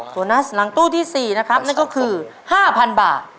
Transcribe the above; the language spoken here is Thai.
โบนัสหลังตู้ที่๔นะครับนั่นก็คือ๕๐๐๐บาท